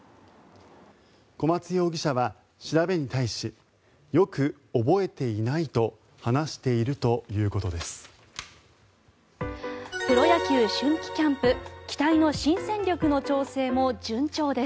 小松容疑者は調べに対しよく覚えていないと話しているということです。